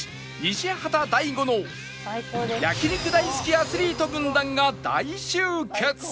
西畑大吾の焼肉大好きアスリート軍団が大集結